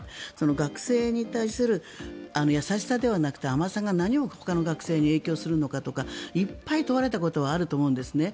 学生に対する優しさではなくて甘さがほかの学生に影響するのかとかいっぱい問われたことはあると思うんですね。